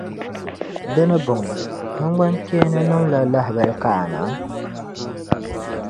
Di ni bɔŋɔ, namgbankpeeni nim’ la lahibali ka a na?